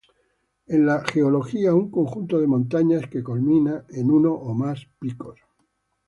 En la geología, un conjunto de montañas que culmina en uno o más picos.